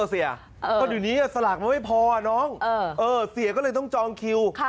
เออเสียก็เลยต้องจองคิว